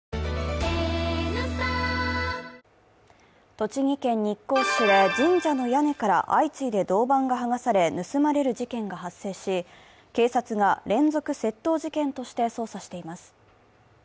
栃木県日光市で神社の屋根から相次いで銅板がはがされ盗まれる事件が発生し、警察が連続窃盗事件として捜査しています。